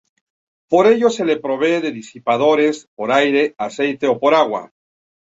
Por ello se le provee de disipadores, por aire, aceite o por agua.